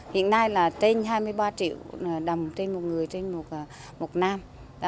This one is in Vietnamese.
hiện nay là trên hai mươi ba triệu đồng trên một người trên một năm